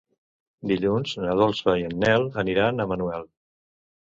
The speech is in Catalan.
Dilluns na Dolça i en Nel aniran a Manuel.